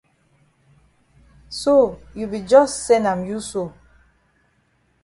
So you be jus sen am you so.